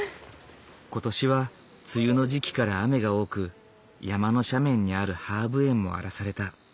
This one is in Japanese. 今年は梅雨の時期から雨が多く山の斜面にあるハーブ園も荒らされた。